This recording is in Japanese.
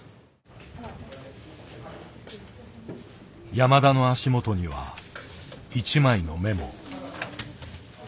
山田の足元には一枚のメモ。